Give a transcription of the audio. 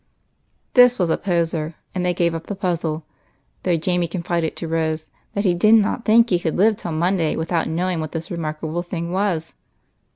This was a poser, and they gave up the puzzle, though Jamie confided to Rose that he did not think he could live till Monday without knowing what this remarkable thing was.